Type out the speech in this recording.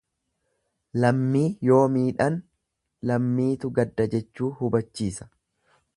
Lammii yoo miidhan lammiitu gadda jechuu hubachiisa.